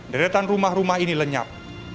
deretan rumah rumah ini lenyap